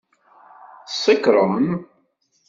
Tsekṛem!